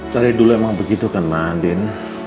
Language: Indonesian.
tadi dulu emang begitu kan andien